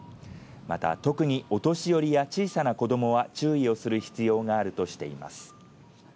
また特にお年寄りや小さな子どもは注意をする必要があるとしています。